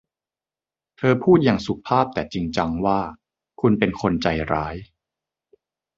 เธอพูดอย่างสุภาพแต่จริงจังว่า คุณเป็นคนใจร้าย